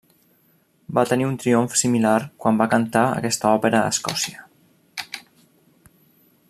Va tenir un triomf similar quan va cantar aquesta òpera a Escòcia.